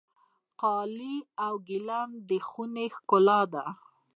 قالي او ګلیم د خونې ښکلا ده.